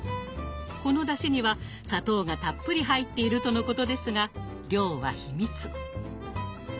このだしには砂糖がたっぷり入っているとのことですが量は秘密。